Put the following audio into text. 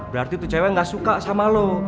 berarti tuh cewek gak suka sama lo